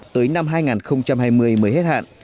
tới năm hai nghìn hai mươi mới hết hạn